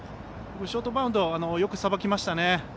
ショートバウンドをよくさばきましたね。